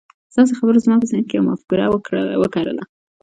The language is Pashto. ستاسې خبرو زما په ذهن کې يوه مفکوره وکرله.